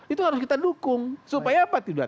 itu harus kita dukung supaya apa tidak